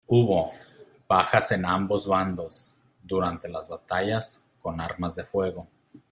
Hubo "bajas en ambos bandos" durante las batallas con armas de fuego.